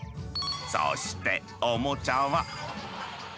そしておもちゃは。